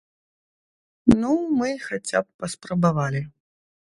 Ну, мы хаця б паспрабавалі.